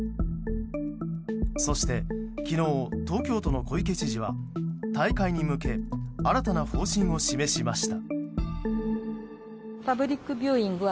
そして、昨日東京都の小池知事は大会に向け新たな方針を示しました。